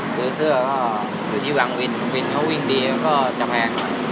ซื้อเสื้อก็อยู่ที่วังวินวินเขาวิ่งดีมันก็จะแพง